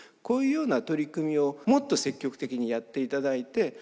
こういうような取り組みをもっと積極的にやっていただいて。